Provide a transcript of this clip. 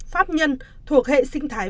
pháp nhân thuộc hệ sinh thái